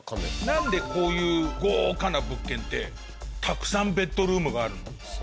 なんでこういう豪華な物件ってたくさんベッドルームがあるの？